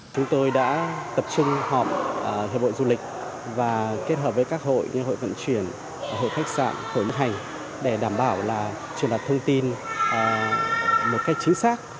chúng tôi đã tập trung họp hiệp hội du lịch và kết hợp với các hội như hội vận chuyển hội khách sạn hội hành để đảm bảo là truyền đặt thông tin một cách chính xác